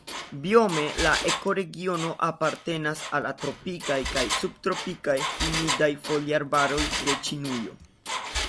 Biome la ekoregiono apartenas al la tropikaj kaj subtropikaj humidaj foliarbaroj de Ĉinujo.